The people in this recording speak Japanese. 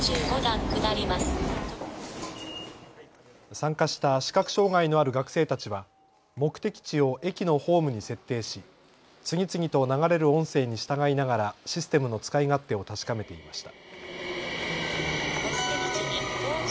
参加した視覚障害のある学生たちは目的地を駅のホームに設定し次々と流れる音声に従いながらシステムの使い勝手を確かめていました。